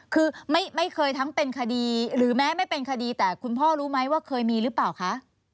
คือไม่เคยทั้งเป็นคดีหรือแม้ไม่เป็นคดีแต่คุณพ่อรู้ไหมว่าเคยมีหรือเปล่าคะ